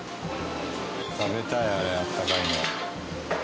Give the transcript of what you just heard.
食べたいあれあったかいの。